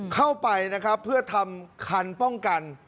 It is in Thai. เข้าไปนะครับเพื่อทำคันป้องกัน